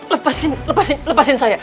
lepasin lepasin lepasin saya